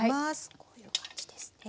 こういう感じですね。